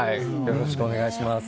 よろしくお願いします。